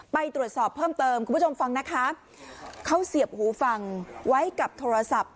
ไปตรวจสอบเพิ่มเติมคุณผู้ชมฟังนะคะเขาเสียบหูฟังไว้กับโทรศัพท์